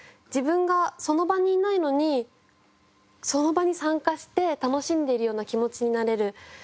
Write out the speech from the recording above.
自分がその場にいないのにその場に参加して楽しんでいるような気持ちになれる。